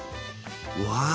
うわ